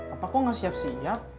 apa kok gak siap siap